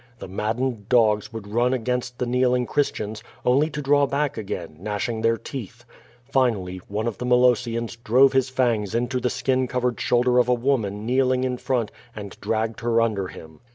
The maddened dogs would run against the kneeling Christ ians, only to drawback again, gnashing their teeth. Finally, one of the Molosiians drove his fangs into the skin covered shoulder of a woma^n kneeling in front and dragged her under him.